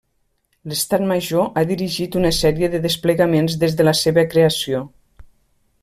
L'Estat Major ha dirigit una sèrie de desplegaments des de la seva creació.